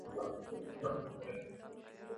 باید ورسره د بالذات غایې په توګه چلند وکړو.